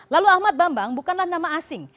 lalu ahmad bambang bukanlah nama asing